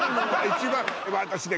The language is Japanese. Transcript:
一番私ね